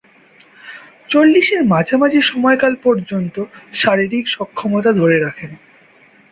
চল্লিশের মাঝামাঝি সময়কাল পর্যন্ত শারীরিক সক্ষমতা ধরে রাখেন।